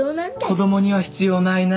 子供には必要ないな。